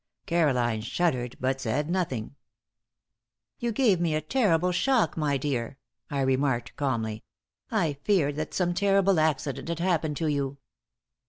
Caroline shuddered, but said nothing. "You gave me a terrible shock, my dear," I remarked, calmly. "I feared that some terrible accident had happened to you."